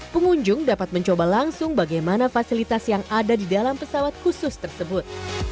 pengunjung dapat mencoba langsung bagaimana fasilitas yang ada di dalam pesawat khusus tersebut